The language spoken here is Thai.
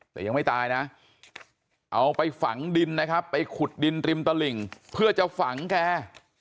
แต่ยังไม่ตายนะเอาไปฝังดินนะครับไปขุดดินริมตลิ่งเพื่อจะฝังแก